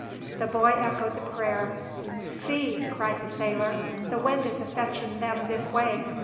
The boy echoed the prayer. "See!" cried the sailor. "The wind is a fetchin' them this way.